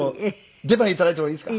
出番頂いてもいいですか？